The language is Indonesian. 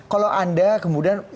kalau anda kemudian